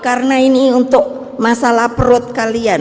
karena ini untuk masalah perut kalian